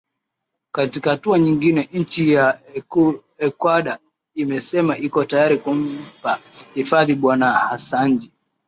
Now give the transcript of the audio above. katika hatua nyingine nchi ya ecuador imesema iko tayari kumpa hifadhi bwana hassanji